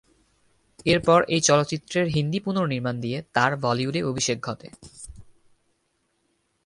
এরপর এই চলচ্চিত্রের "হিন্দি পুনর্নির্মাণ" দিয়ে তার বলিউডে অভিষেক ঘটে।